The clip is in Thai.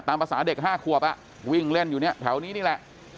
ภาษาเด็ก๕ขวบวิ่งเล่นอยู่เนี่ยแถวนี้นี่แหละ